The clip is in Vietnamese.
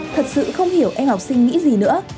thật sự không hiểu em học sinh nghĩ gì nữa